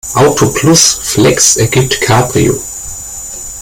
Auto plus Flex ergibt Cabrio.